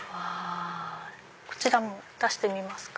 こちらも出してみますか？